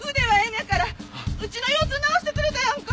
うちの腰痛治してくれたやんか！